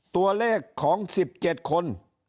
ตัวเลขของ๑๗คน